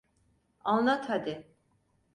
Anlat hadi.